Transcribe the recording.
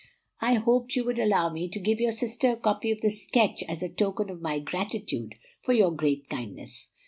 I hoped you would allow me to give your sister a copy of the sketch as a token of my gratitude for your great kindness."